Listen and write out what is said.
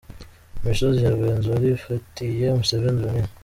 Imisozi ya Rwenzori ifatiye Museveni runini